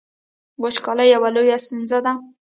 وچکالي یوه لویه ستونزه ده